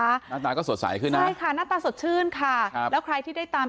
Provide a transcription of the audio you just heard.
หน้าตาก็สดใสขึ้นนะใช่ค่ะหน้าตาสดชื่นค่ะครับแล้วใครที่ได้ตาม